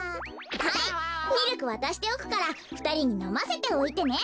はいミルクわたしておくからふたりにのませておいてね。